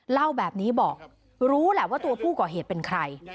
เล่าแบบนี้บอกรู้แหละว่าตัวผู้ก่อเหตุเป็นใคร